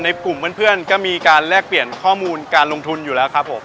กลุ่มเพื่อนก็มีการแลกเปลี่ยนข้อมูลการลงทุนอยู่แล้วครับผม